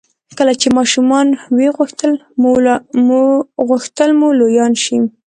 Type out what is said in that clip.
کله چې ماشومان وئ غوښتل مو لویان شئ.